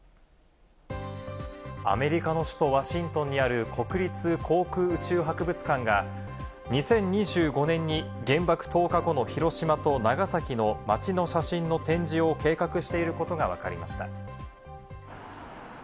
アメリカの首都ワシントンにある国立航空宇宙博物館が、２０２５年に原爆投下後の広島と長崎の街の写真の展示を計画していることがわかりました。